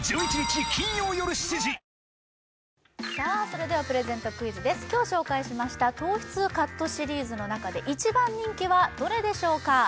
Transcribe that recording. それではプレゼントクイズです今日紹介しました糖質カットシリーズの中で一番人気はどれでしょうか